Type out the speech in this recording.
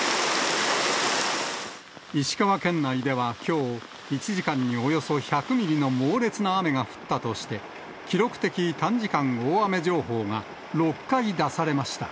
石川県内ではきょう、１時間におよそ１００ミリの猛烈な雨が降ったとして、記録的短時間大雨情報が６回出されました。